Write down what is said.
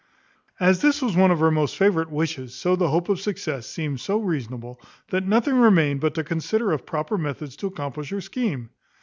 As this was one of her most favourite wishes, so the hope of success seemed so reasonable, that nothing remained but to consider of proper methods to accomplish her scheme.